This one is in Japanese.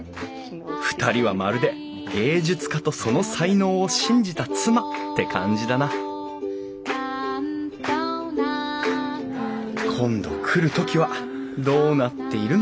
２人はまるで芸術家とその才能を信じた妻って感じだな今度来る時はどうなっているのか。